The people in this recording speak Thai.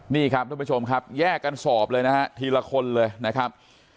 นี่ครับทุกผู้ชมครับแยกกันสอบเลยนะฮะทีละคนเลยนะครับ